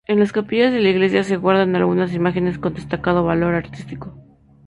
En las capillas de la iglesia se guardan algunas imágenes de destacado valor artístico.